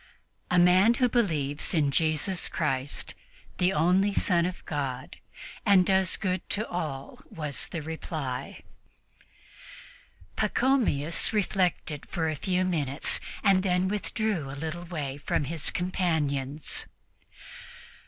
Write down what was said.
"A man who believes in Jesus Christ, the only Son of God, and does good to all," was the reply. Pachomius reflected for a few minutes and then withdrew a little way from his companions.